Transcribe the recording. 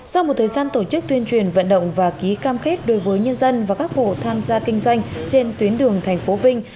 sau một thời gian tổ chức tuyên truyền vận động và ký cam khết đối với nhân dân và các vụ tham gia kinh doanh trên tuyến đường thành phố vinh